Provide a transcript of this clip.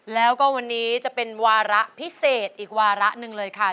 แล้วก็วันนี้จะเป็นวาระพิเศษอีกวาระหนึ่งเลยค่ะ